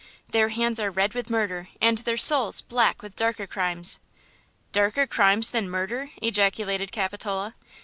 Their hands are red with murder and their souls black with darker crimes." "Darker crimes than murder!" ejaculated Capitola.